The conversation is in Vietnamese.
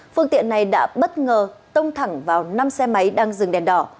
phương tiện này đã bất ngờ tông thẳng vào năm xe máy đang dừng đèn đỏ